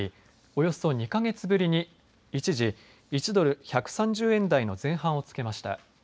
およそ２か月ぶりに一時、１ドル１３０円台の前半をつけました。